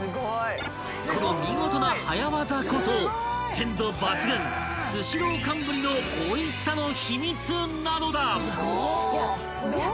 ［この見事な早業こそ鮮度抜群スシロー寒ぶりのおいしさの秘密なのだ］